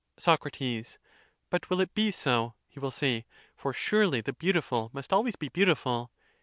Soc. But will it be so? he will say; for surely the beautiful must always be beautiful.